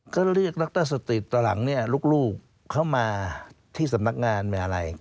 ก็เรียกนักต้าสติตต่อหลังนี่ลูกเข้ามาที่สำนักงานเป็นอะไร